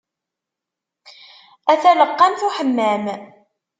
A taleqqamt n uḥemmam.